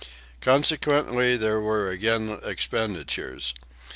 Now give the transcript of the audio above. Consequently there were again expenditures.